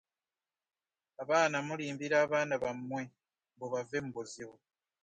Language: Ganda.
Abazadde mulimbira abaana bammwe mbu bave mu buzibu.